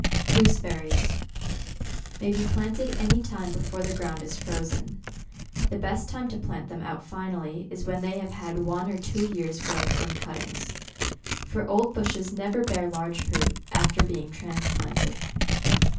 GOOSEBERRIES may be planted any time before the ground is frozen. The best time to plant them out finally is when they have had one or two years' growth from cuttings ; for old bushes never bear large fruit after being transplant ed.